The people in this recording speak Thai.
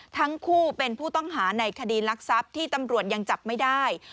ทั้งคู่เป็นผู้ต้องหาในคดีรักทรัพย์ที่ตำรวจยังจับไม่ได้